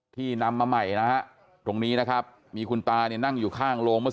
นำมาใหม่นะฮะตรงนี้นะครับมีคุณตาเนี่ยนั่งอยู่ข้างโรงเมื่อ